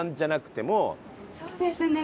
そうですね。